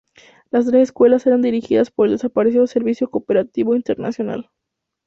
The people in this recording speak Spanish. Las tres escuelas eran dirigidas por el desaparecido Servicio Cooperativo Internacional.